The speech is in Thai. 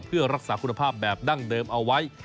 เพื่อรักษาคุณภาพแบบดั้งเดิมเอาไว้